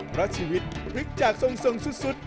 เพราะชีวิตพลิกจากทรงสุด